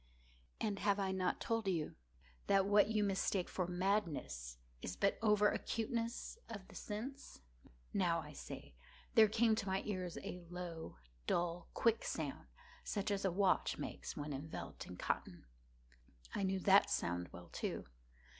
And have I not told you that what you mistake for madness is but over acuteness of the sense?—now, I say, there came to my ears a low, dull, quick sound, such as a watch makes when enveloped in cotton. I knew that sound well, too.